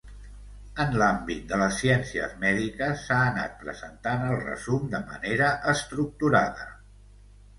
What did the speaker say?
En l'àmbit de les ciències mèdiques s'ha anat presentant el resum de manera estructurada.